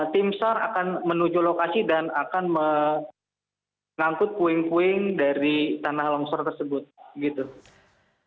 tim sar akan menuju lokasi dan akan mengangkut puing puing dari tanah longsor tersebut